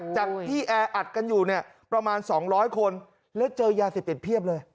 แล้วเจอยาเสร็จเด็ดเพียบเลย